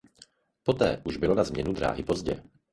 Poté už bylo na změnu dráhy pozdě.